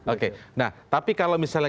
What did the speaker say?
oke nah tapi kalau misalnya